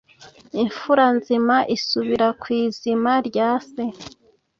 imfura nzima isubira ku izima rya se